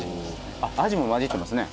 あっアジも交じってますね。